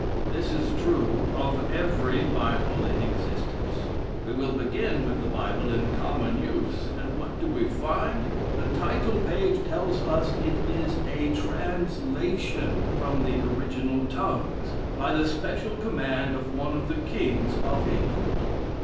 This is true of every Bible in existence. We will begin with the Bible in common use, and what do we find! The title page tells us it is a translation from the original tongues, by the special command of one of the kings of England.